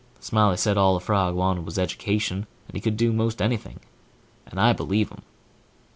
Smiley said all a frog wanted was education, and he could do most anything&#8212and I believe him.